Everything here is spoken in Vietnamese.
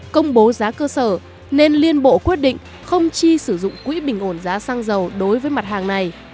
công bố giá cơ sở nên liên bộ quyết định không chi sử dụng quỹ bình ổn giá xăng dầu đối với mặt hàng này